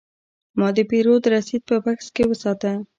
ما د پیرود رسید په بکس کې وساته.